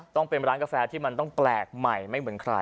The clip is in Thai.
ต้องเป็นร้านกาแฟที่มันต้องแปลกใหม่ไม่เหมือนใคร